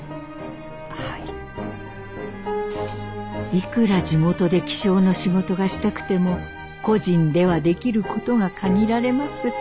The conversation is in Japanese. いくら地元で気象の仕事がしたくても個人ではできることが限られます。